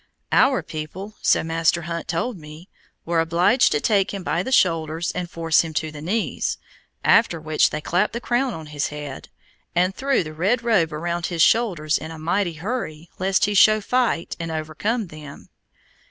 Our people, so Master Hunt told me, were obliged to take him by the shoulders and force him to his knees, after which they clapped the crown on his head, and threw the red robe around his shoulders in a mighty hurry lest he show fight and overcome them.